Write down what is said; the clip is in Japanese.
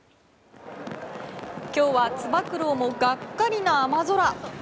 今日は、つば九郎もがっかりな雨空。